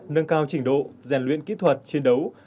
nâng cao trình độ rèn luyện kỹ thuật chiến đấu